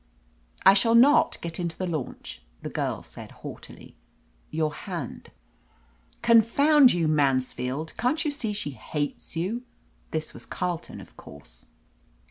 "I shall not get into the launch," the girl said haughtily. "Your hand." "Confound you, Mansfidd, can't you see she hates you ?" This was Carleton, of course.